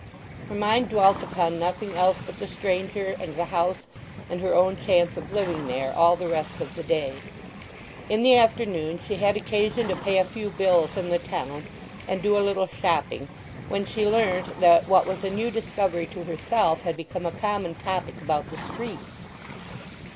Her mind dwelt upon nothing else but the stranger, and the house, and her own chance of living there, all the rest of the day. In the afternoon she had occasion to pay a few bills in the town and do a little shopping when she learnt that what was a new discovery to herself had become a common topic about the streets.